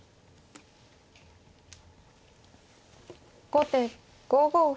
後手５五歩。